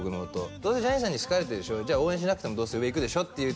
どうせジャニーさんに好かれてるでしょじゃあ応援しなくてもどうせ上行くでしょっていう